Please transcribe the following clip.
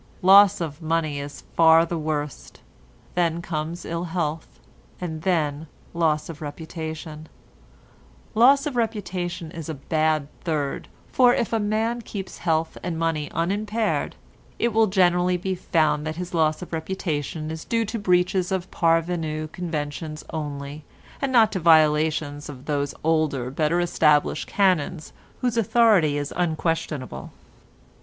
Loss of money is far the worst, then comes ill health, and then loss of reputation; loss of reputation is a bad third, for, if a man keeps health and money unimpaired, it will be generally found that his loss of reputation is due to breaches of parvenu conventions only, and not to violations of those older, better established canons whose authority is unquestionable.